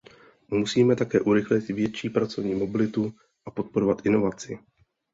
Musíme také urychlit větší pracovní mobilitu a podporovat inovaci.